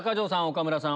岡村さん